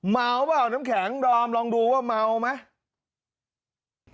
เมาเปล่าน้ำแข็งดอมลองดูว่าเมาไหม